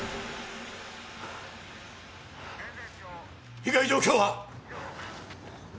被害状況は！？